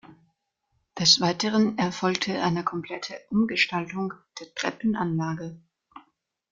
Des Weiteren erfolgte eine komplette Umgestaltung der Treppenanlage.